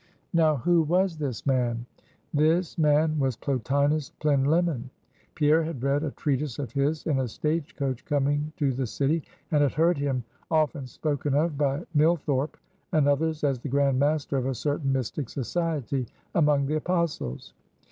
Now who was this man? This man was Plotinus Plinlimmon. Pierre had read a treatise of his in a stage coach coming to the city, and had heard him often spoken of by Millthorpe and others as the Grand Master of a certain mystic Society among the Apostles.